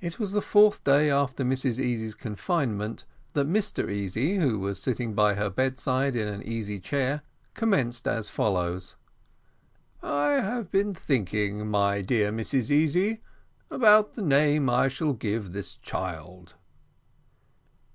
It was the fourth day after Mrs Easy's confinement that Mr Easy, who was sitting by her bedside in an easy chair, commenced as follows: "I have been thinking, my dear Mrs Easy, about the name I shall give this child."